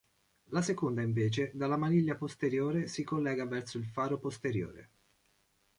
La seconda invece dalla maniglia posteriore si collega verso il faro posteriore.